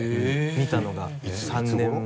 見たのが３年前。